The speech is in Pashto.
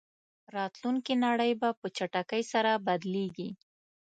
راتلونکې نړۍ به په چټکۍ سره بدلېږي.